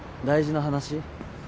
大事な話？